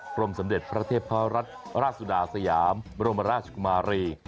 รมสมเด็จพระเทพรัฐราชสุดาสยามบรมราชกุมารี